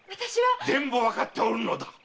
全部わかっておるのだ！